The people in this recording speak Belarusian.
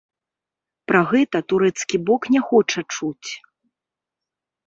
Пра гэта турэцкі бок не хоча чуць.